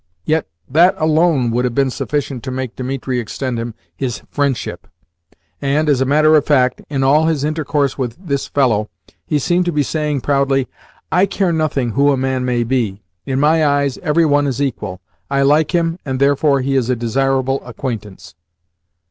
Yet that alone would have been sufficient to make Dimitri extend him his friendship, and, as a matter of fact, in all his intercourse with this fellow he seemed to be saying proudly: "I care nothing who a man may be. In my eyes every one is equal. I like him, and therefore he is a desirable acquaintance."